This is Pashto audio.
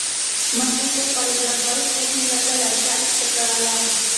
ماشوم په خپلو ډنگرو پښو کې لږه لړزه احساسوله.